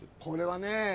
これはね。